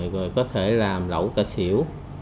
rồi có thể làm lẩu cà xỉu